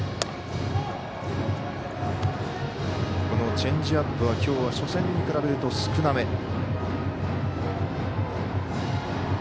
このチェンジアップはきょうは初戦に比べると少なめ。